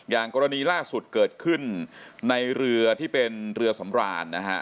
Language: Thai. อย่างกรณีล่าสุดเกิดขึ้นในเรือที่เป็นเรือสำราญนะฮะ